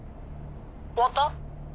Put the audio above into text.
☎終わった？